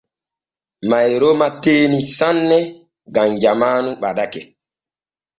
Mayroma teenii saane gam jamaanu ɓadake.